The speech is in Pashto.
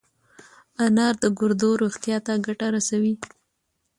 انار د ګردو روغتیا ته ګټه رسوي.